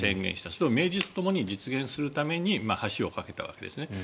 それを名実ともに実現するために橋を架けたわけですね。